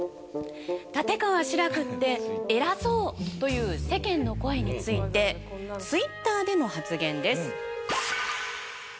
「立川志らくって偉そう」という世間の声についてＴｗｉｔｔｅｒでの発言です。